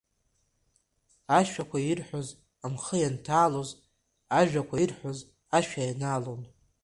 Ашәақәа ирҳәоз амхы ианҭалоз, ажәақәа ирҳәоз ашәа ианаалон.